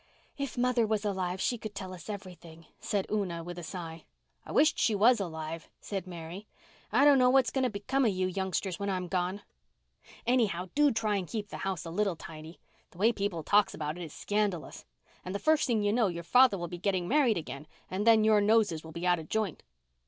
"If mother was alive she could tell us everything," said Una with a sigh. "I wisht she was alive," said Mary. "I don't know what's going to become of you youngsters when I'm gone. Anyhow, do try and keep the house a little tidy. The way people talks about it is scandalous. And the first thing you know your father will be getting married again and then your noses will be out of joint."